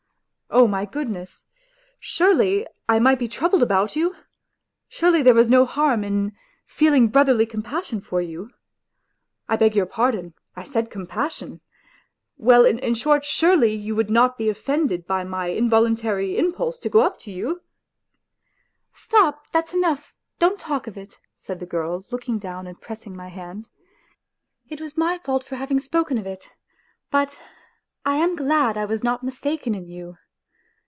... Oh, my goodness ! Surely I might be troubled about you ? Surely there was no harm in feeling brotherly compassion for you .~TTT^t)e|r youF pardon r X eftid troinpassioTrr . T ". Well, in short, surely you would not be offended at my involuntary impulse to go up to you ?..."" Stop, that's enough, don't talk of it," said the girl, look ing down, and pressing my hand. " It's my fault for having spoken of it; but I am glad I was not mistaken in you.